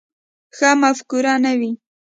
ښه مفکوره نه وي.